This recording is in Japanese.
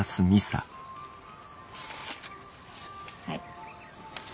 はい。